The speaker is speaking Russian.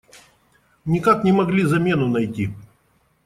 Никак не могли замену найти.